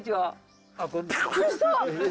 びっくりした！